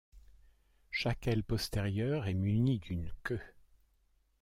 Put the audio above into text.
Chaque aile postérieure est munie d'une queue.